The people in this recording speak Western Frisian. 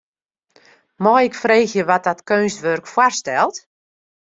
Mei ik freegje wat dat keunstwurk foarstelt?